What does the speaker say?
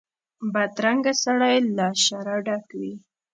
بدرنګه سړی له شره ډک وي